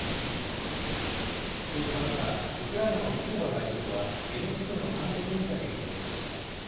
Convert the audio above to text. そうした中、ウクライナのクレバ外相はＮＨＫの単独インタビューに応じました。